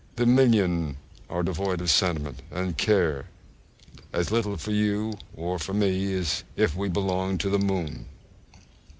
The million are devoid of sentiment, and care as little for you or me as if we belonged to the moon.